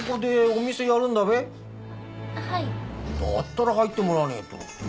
だったら入ってもらわねえと。